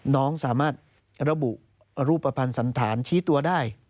น้องสามารถระบุรูปภัณฑ์สันธารชี้ตัวได้